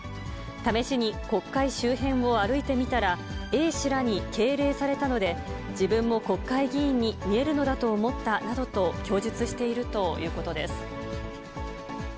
試しに国会周辺を歩いてみたら、衛視らに敬礼されたので、自分も国会議員に見えるのだと思ったなどと、供述しているということです。